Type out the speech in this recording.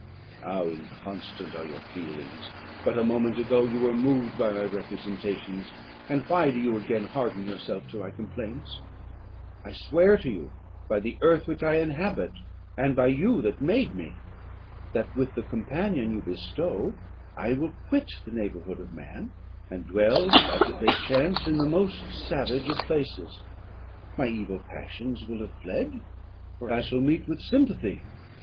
"How inconstant are your feelings! but a moment ago you were moved by my representations, and why do you again harden yourself to my complaints? I swear to you, by the earth which I inhabit, and by you that made me, that, with the companion you bestow, I will quit the neighbourhood of man, and dwell as it may chance, in the most savage of places. My evil passions will have fled, for I shall meet with sympathy!